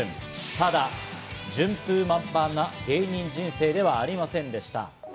ただ、順風満帆な芸人人生ではありませんでした。